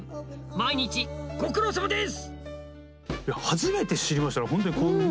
毎日ご苦労さまです！